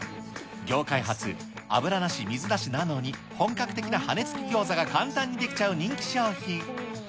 業界初、油なし水なしなのに、本格的な羽根付きギョーザが簡単に出来ちゃう人気商品。